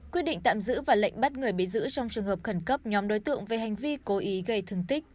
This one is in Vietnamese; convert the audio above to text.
quyết định tạm giữ và lệnh bắt người bị giữ trong trường hợp khẩn cấp nhóm đối tượng về hành vi cố ý gây thương tích